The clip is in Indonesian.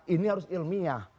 ini harus ilmiah